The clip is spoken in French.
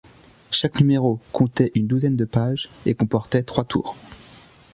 Chaque numéro comptait une douzaine de pages, et comportait trois tours.